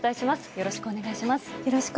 よろしくお願いします。